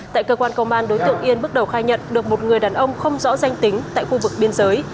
tại cơ quan công an đối tượng yên bước đầu khai nhận được một người đàn ông không rõ danh tính tại khu vực biên giới